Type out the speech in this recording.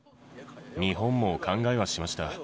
日本も考えはしました。